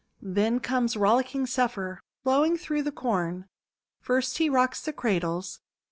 Then comes rollicking Zephyr, blowing through the Corn. First he rocks the cradles.